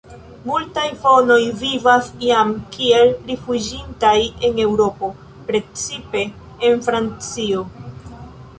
Multaj fonoj vivas jam kiel rifuĝintaj en Eŭropo, precipe en Francio.